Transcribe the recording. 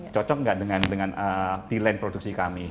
cocok nggak dengan plan produksi kami